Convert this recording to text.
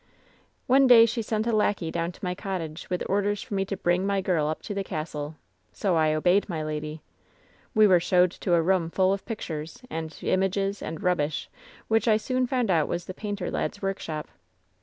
Ane day she sent a lackey down to my cottage, with orders for me to bring my girl up to the castle. So I obeyed my lady. "We were showed to a room full of pictures, and images, and rubbish, which I soon found out was the painter lad's workshop.